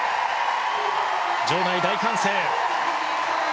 場内は大歓声。